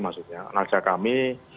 untuk analisa kami